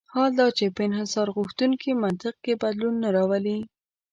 حال دا چې په انحصارغوښتونکي منطق کې بدلون نه راولي.